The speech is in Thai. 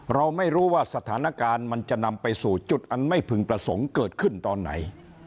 เราไม่รู้ว่าสถานการณ์มันจะนำไปสู่จุดอันไม่พึงประสงค์เกิดขึ้นตอนไหน